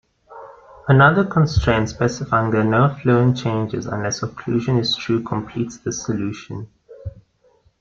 Another constraint specifying that no fluent changes unless occlusion is true completes this solution.